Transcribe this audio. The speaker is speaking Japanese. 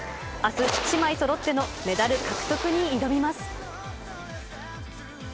あす、姉妹そろってのメダル獲得に挑みます。